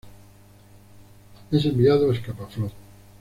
Es enviado a Scapa Flow.